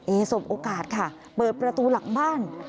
สมโอกาสค่ะเปิดประตูหลังบ้าน